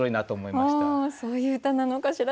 そういう歌なのかしら？